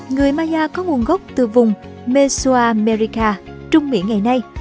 người maya có nguồn gốc từ vùng mesoamerica trung mỹ ngày nay